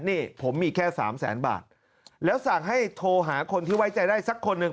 นี่ผมมีแค่สามแสนบาทแล้วสั่งให้โทรหาคนที่ไว้ใจได้สักคนหนึ่ง